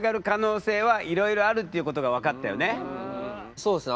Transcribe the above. そうですね。